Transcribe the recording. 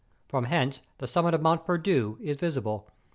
From hence the sum¬ mit of Mont Perdu is visible.